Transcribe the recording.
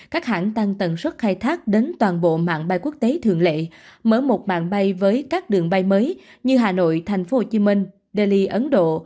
các hãng tăng tần suất khai thác đến toàn bộ mạng bay quốc tế thường lệ mở một mạng bay với các đường bay mới như hà nội thành phố hồ chí minh delhi ấn độ